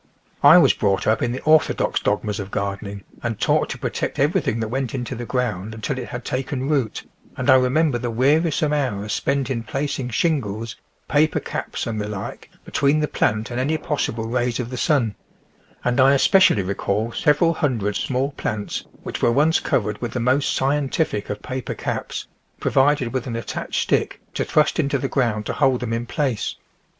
I was brought up in the ortho dox dogmas of gardening and taught to protect everything that went into the ground until it had taken root, and I remember the wearisome hours spent in placing shingles, paper caps, and the like between the plant and any possible rays of the sun ; and I especially recall several hundred small plants which were once covered with the most " scien tific " of paper caps, provided with an attached stick to thrust into the ground to hold them in place.